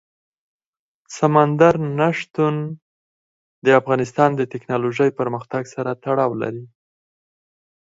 سمندر نه شتون د افغانستان د تکنالوژۍ پرمختګ سره تړاو لري.